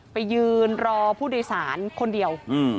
ไปยืนรอผู้โดยสารคนเดียว